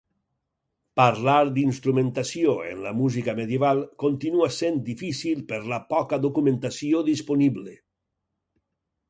Parlar d'instrumentació en la música medieval continua sent difícil per la poca documentació disponible.